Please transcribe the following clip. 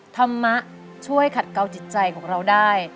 ธรรมะช่วยขัดเกาจิตใจของเราได้